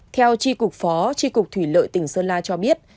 theo tri cục phó tri cục thủy lợi tỉnh sơn la cho biết